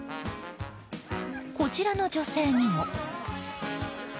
こちらの女性にも。